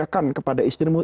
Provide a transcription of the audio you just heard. berikan kepada istrimu